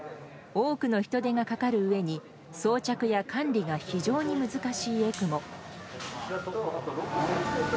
多くの人手がかかるうえに装着や管理が非常に難しいＥＣＭＯ。